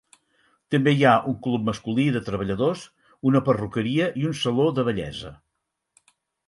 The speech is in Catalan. També hi ha un club masculí de treballadors, una perruqueria i un saló de bellesa.,